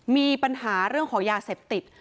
มีปัญหาเรื่องของยาเสพติด